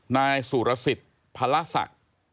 นายสุรสิฐพระลักษักที่